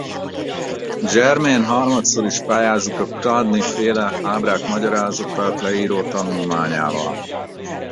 Germain harmadszor is pályázik a Chladni-féle ábrák magyarázatát leíró tanulmányával.